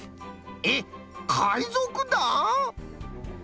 えっかいぞくだん！？